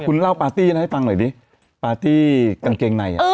คุณเล่าปาร์ตี้นะให้ฟังหน่อยดิปาร์ตี้กางเกงใน